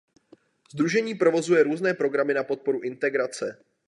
Sdružení provozuje různé programy na podporu integrace.